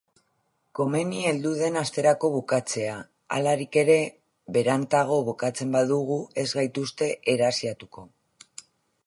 Komeni heldu den asterako bukatzea; halarik ere, berantago bukatzen badugu ez gaituzte erasiatuko.